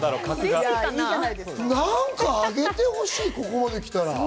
何かあげてほしい、ここまできたら。